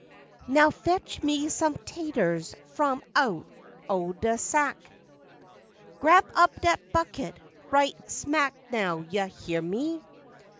Now fetch me some taters f'um out o' dat sack. Grab up dat bucket right sma't now—yo' heah me?